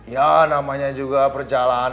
ya namanya juga perjalanan